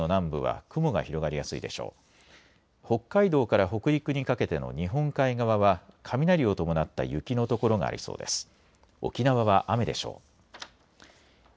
北海道から北陸にかけての日本海側は雷を伴った雪の所がありそうです。